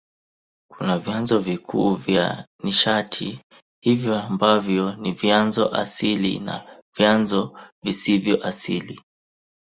Kuna vyanzo vikuu vya nishati hiyo ambavyo ni vyanzo asili na vyanzo visivyo asili.